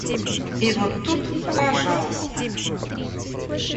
И вот тут, пожалуйста!..